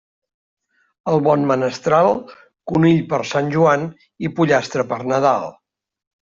El bon menestral, conill per Sant Joan i pollastre per Nadal.